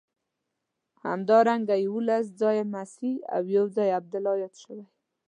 همدارنګه یوولس ځایه مسیح او یو ځای عبدالله یاد شوی.